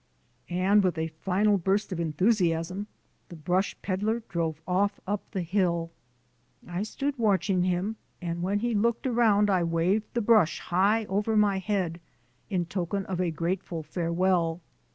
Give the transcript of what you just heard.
And with a final burst of enthusiasm the brush peddler drove off up the hill. I stood watching him and when he turned around I waved the brush high over my head in token of a grateful farewell.